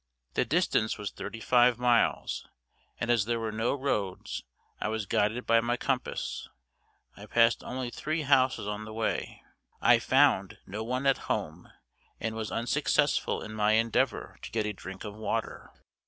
The distance was thirty five miles, and as there were no roads, I was guided by my compass. I passed only three houses on the way. I found no one at home, and was unsuccessful in my endeavor to get a drink of water.